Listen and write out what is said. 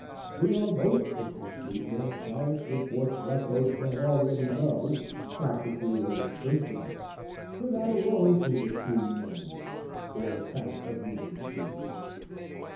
We are most interested when science reports what those men already know practically or instinctively, for that alone is a true humanity, or account of human experience.